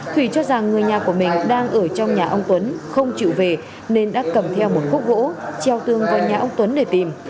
thủy cho rằng người nhà của mình đang ở trong nhà ông tuấn không chịu về nên đã cầm theo một khúc gỗ treo tường vào nhà ông tuấn để tìm